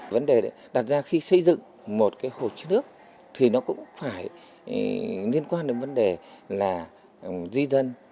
vấn đề đặt ra khi xây dựng một cái hồ chứa nước thì nó cũng phải liên quan đến vấn đề là di dân